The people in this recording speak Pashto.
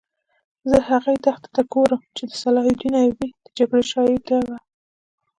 زه هغې دښتې ته ګورم چې د صلاح الدین ایوبي د جګړې شاهده وه.